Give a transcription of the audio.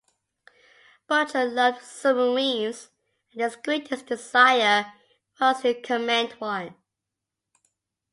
Bucher loved submarines and his greatest desire was to command one.